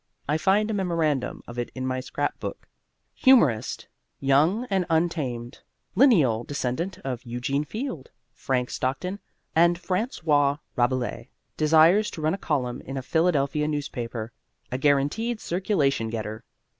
I find a memorandum of it in my scrap book: HUMORIST: Young and untamed, lineal descendent of Eugene Field, Frank Stockton, and François Rabelais, desires to run a column in a Philadelphia newspaper. A guaranteed circulation getter.